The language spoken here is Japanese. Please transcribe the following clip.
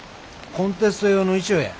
コンテスト用の衣装や。